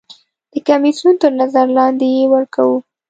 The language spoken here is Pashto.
د کمیسیون تر نظر لاندې یې ورکوو.